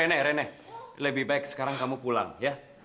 eh eh eh ren ren lebih baik sekarang kamu pulang ya